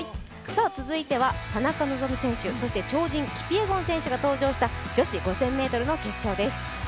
続いては田中希実選手、そして超人キピエゴン選手が登場した女子５０００ｍの決勝です。